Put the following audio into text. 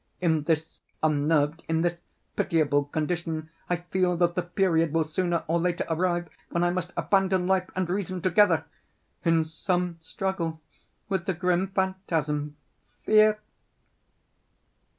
In this unnerved—in this pitiable condition—I feel that the period will sooner or later arrive when I must abandon life and reason together, in some struggle with the grim phantasm, FEAR."